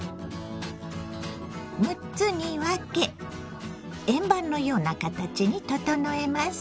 ６つに分け円盤のような形に整えます。